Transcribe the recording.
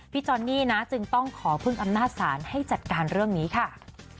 จอนนี่นะจึงต้องขอพึ่งอำนาจศาลให้จัดการเรื่องนี้ค่ะ